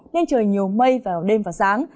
nên trời nhiều mây vào đêm và sáng